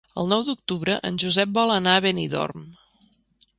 El nou d'octubre en Josep vol anar a Benidorm.